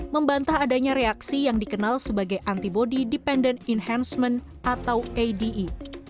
membantah adanya reaksi yang dikenal sebagai antibody dependent enhancement atau ade